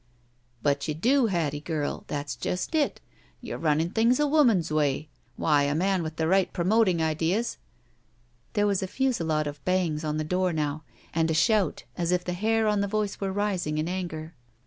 "But you do, Hattie girl. That's just it. You're running things a woman's way. Why, a man with the right promoting ideas —" There was a fusillade of bangs on the door now, and a shout as if the hair on the voice were rising in anger.